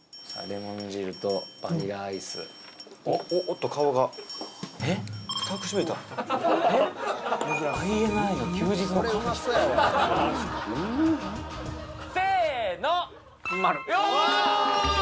レモン汁とバニラアイスおっと顔がせーのおーっ！